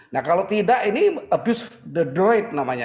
nah kalau tidak ini abuse the droid namanya